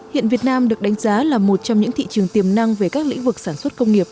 hiện việt nam được đánh giá là một trong những thị trường tiềm năng về các lĩnh vực sản xuất công nghiệp